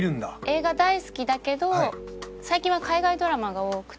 映画大好きだけど最近は海外ドラマが多くて。